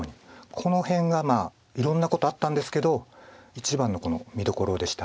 この辺がいろんなことあったんですけど一番の見どころでした。